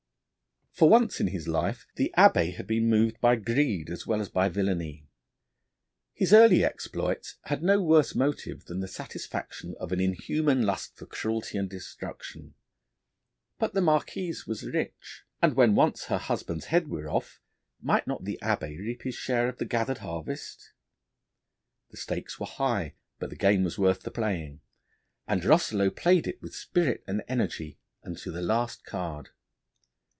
For once in his life the Abbé had been moved by greed as well as by villainy. His early exploits had no worse motive than the satisfaction of an inhuman lust for cruelty and destruction. But the Marquise was rich, and when once her husband's head were off, might not the Abbé reap his share of the gathered harvest? The stakes were high, but the game was worth the playing, and Rosselot played it with spirit and energy unto the last card.